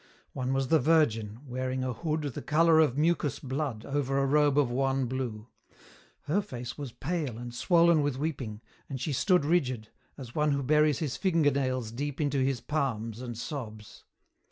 One was the Virgin, wearing a hood the colour of mucous blood over a robe of wan blue. Her face was pale and swollen with weeping, and she stood rigid, as one who buries his fingernails deep into his palms and sobs.